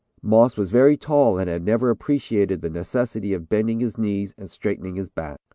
Moss was very tall and had never appreciated the necessity of bending his knees and straightening his back.